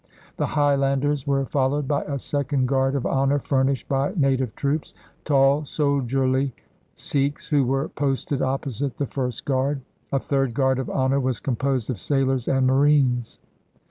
The Higlilanders were followed by a second guard of honor furnished by native troops — tall, soldierly Sikhs, who were posted opposite the first guard. A third guard of honor was composed of sailors and marines.